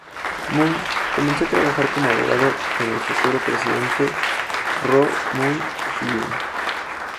Moon comenzó a trabajar como abogado con el futuro presidente Roh Moo-hyun.